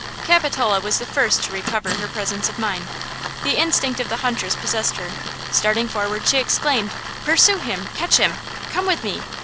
Capitola was the first to recover her presence of mind; the instinct of the huntress possessed her; starting forward, she exclaimed: "Pursue him! catch him! come with me!